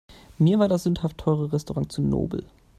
Mir war das sündhaft teure Restaurant zu nobel.